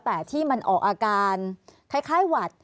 แต่ที่มันออกอาการคล้ายหวัด